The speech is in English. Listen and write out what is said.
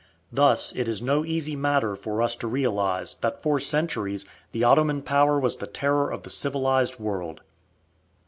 Thus it is no easy matter for us to realize that for centuries the Ottoman power was the terror of the civilized world.